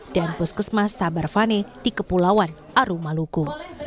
dan puskesmas tabarvane di kepulauan aru maluku